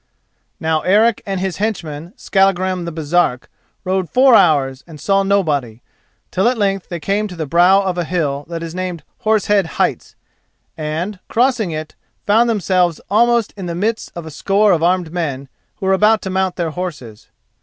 Now Eric and his henchman Skallagrim the Baresark rode four hours and saw nobody, till at length they came to the brow of a hill that is named Horse Head Heights, and, crossing it, found themselves almost in the midst of a score of armed men who were about to mount their horses.